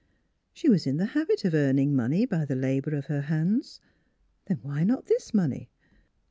She was in the habit of earning money by the labor of her hands; then why not this money?